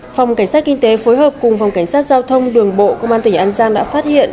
phòng cảnh sát kinh tế phối hợp cùng phòng cảnh sát giao thông đường bộ công an tỉnh an giang đã phát hiện